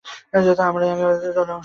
আমি আবার দলের একটা অংশ হতে চাই।